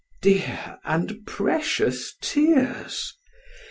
Dear and precious tears!